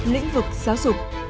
lĩnh vực giáo dục